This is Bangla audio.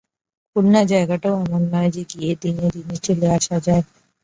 খুলনা জায়গাটাও এমন নয় যে দিনে দিনে গিয়ে চলে আসা যায়।